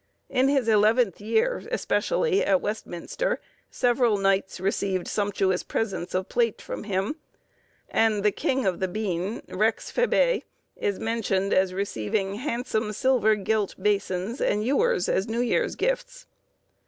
In his eleventh year, especially, at Westminster, several knights received sumptuous presents of plate from him, and the king of the bean (Rex Fabæ) is mentioned as receiving handsome silver gilt basins and ewers as New Year's Gifts.